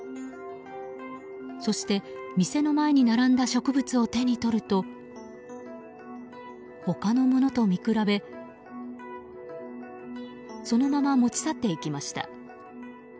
そして店の前に並んだ植物を手に取ると他のものと見比べそのまま持ち去っていきました。